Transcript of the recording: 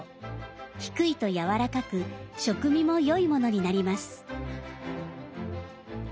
低いとやわらかく食味も良いものになります。